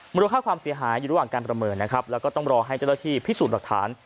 มูลค่าความเสียหายอยู่ระหว่างการประเมินนะครับแล้วก็ต้องรอให้เจ้าหน้าที่พิสูจน์หลักฐาน